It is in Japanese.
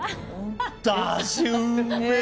だし、うめえ！